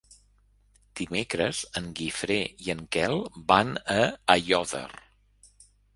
Dimecres en Guifré i en Quel van a Aiòder.